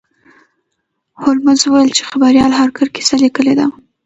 هولمز وویل چې خبریال هارکر کیسه لیکلې ده.